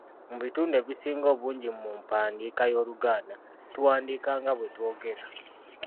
Mu bitundu ebisinga obungi mu mpandiika y'Oluganda, tuwandiika nga bwe twogera.